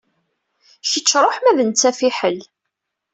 Kečč ṛuḥ ma d nettat fiḥel.